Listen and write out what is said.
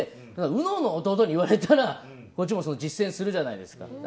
うのの弟に言われたらこっちも実践するじゃないですか。